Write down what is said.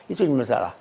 itu yang masalah